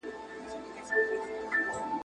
مار له غاره ځالګۍ ته سو وروړاندي ,